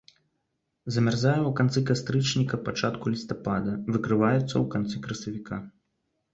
Замярзае ў канцы кастрычніка-пачатку лістапада, выкрываецца ў канцы красавіка.